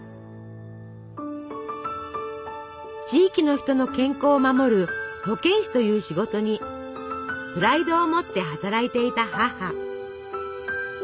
地域の人の健康を守る保健師という仕事にプライドを持って働いていた母。